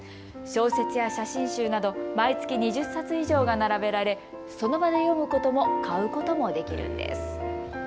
小説や写真集など毎月２０冊以上が並べられ、その場で読むことも買うこともできるんです。